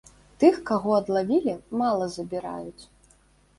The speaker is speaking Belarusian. Тых каго адлавілі, мала забіраюць.